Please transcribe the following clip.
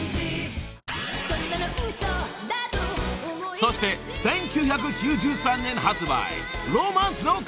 ［そして１９９３年発売］